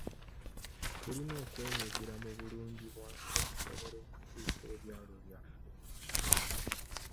Tulina okwenyigira mu bulungibwansi okusobola okukyusa ebyalo byaffe.